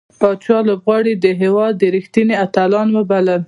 پاچا لوبغاړي د هيواد رښتينې اتلان وبلل .